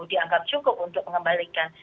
dianggap cukup untuk mengembalikan